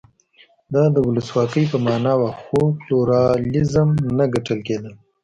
دا د ولسواکۍ په معنا و خو پلورالېزم نه ګڼل کېده.